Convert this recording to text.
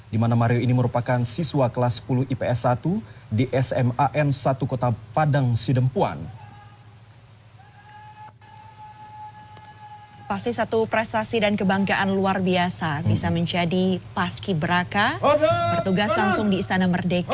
kepada sang merah putih hormat senjata